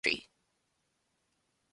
It is within southwest Kane County.